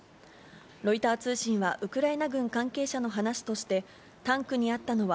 ロイター通信はウクライナ軍関係者の話として、タンクにあったのは、